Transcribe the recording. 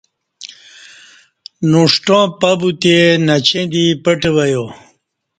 نݜٹاں پہ بوتے نچیں دی پٹہ وہ یا ۔